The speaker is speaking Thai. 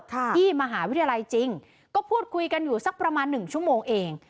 ที่มหาวิทยาลัยจริงก็พูดคุยกันอยู่สักประมาณหนึ่งชั่วโมงเอง